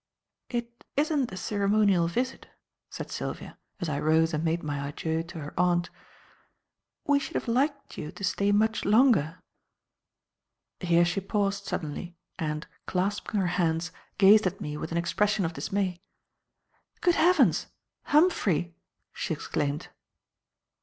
"It isn't a ceremonial visit," said Sylvia, as I rose and made my adieux to her aunt. "We should have liked you to stay much longer." Here she paused suddenly, and, clasping her hands, gazed at me with an expression of dismay. "Good Heavens! Humphrey!" she exclaimed.